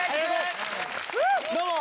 どうも！